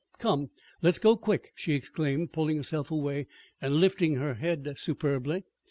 "Come, let's go quick!" she exclaimed, pulling herself away, and lifting her head superbly.